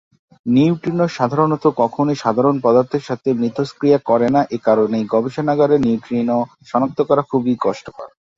Neutrino সাধারণত কখনই সাধারণ পদার্থের সাথে মিথস্ক্রিয়া করে না, এ কারণেই গবেষণাগারে নিউট্রিনো সনাক্ত করা খুব কষ্টকর।